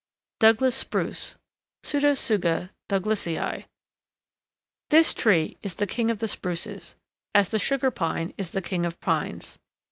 DOUGLAS SPRUCE (Pseudotsuga Douglasii) This tree is the king of the spruces, as the Sugar Pine is king of pines.